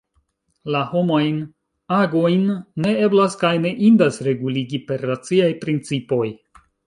La homajn agojn ne eblas kaj ne indas reguligi per raciaj principoj.